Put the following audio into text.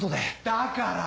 だから！